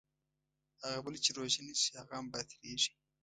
هغه بل چې روژه نیسي هغه هم باطلېږي.